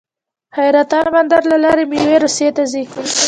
د حیرتان بندر له لارې میوې روسیې ته ځي.